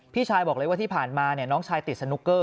พี่ชายบอกเลยว่าที่ผ่านมาน้องชายติดสนุกเกอร์